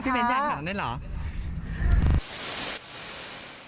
พี่เบนอยากถามได้หรือ